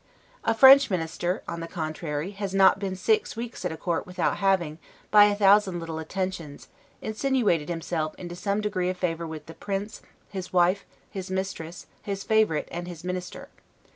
A French minister, on the contrary, has not been six weeks at a court without having, by a thousand little attentions, insinuated himself into some degree of favor with the Prince, his wife, his mistress, his favorite, and his minister.